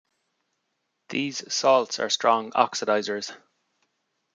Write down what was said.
These salts are strong oxidizers.